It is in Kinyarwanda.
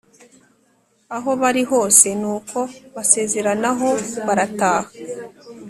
aho bari hose, nuko basezeranaho barataha.